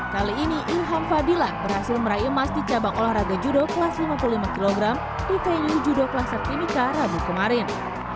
kali ini ilham fadilah berhasil meraih emas di cabang olahraga judo kelas lima puluh lima kg di venue judo klaster timika rabu kemarin